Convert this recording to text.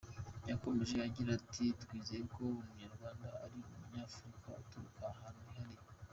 Yakomeje agira ati “Twizera ko Umunyarwanda ari n’Umunyafurika uturuka ahantu hihariye.